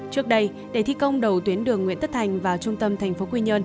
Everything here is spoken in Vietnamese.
trước đây để thi công đầu tuyến đường nguyễn tất thành vào trung tâm thành phố quy nhơn